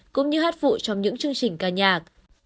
cũng như hát vụ trong những chương trình ca nhạc